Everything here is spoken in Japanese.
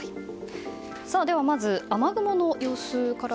では、まず雨雲の様子から。